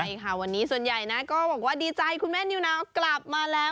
ใช่ค่ะวันนี้ส่วนใหญ่นะก็บอกว่าดีใจคุณแม่นิวนาวกลับมาแล้ว